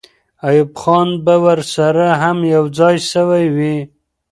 ایوب خان به ورسره یو ځای سوی وي.